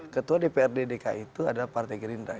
ketua dpr di dki itu adalah partai gerindra